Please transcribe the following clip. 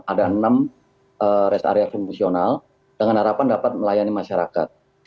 ada enam rest area fungsional dengan harapan dapat melayani masyarakat